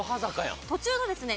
途中のですね